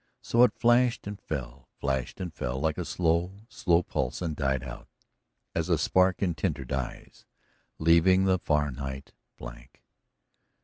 So it flashed and fell, flashed and fell, like a slow, slow pulse, and died out, as a spark in tinder dies, leaving the far night blank.